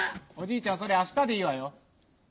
おじいちゃんそれあしたでいいわよ。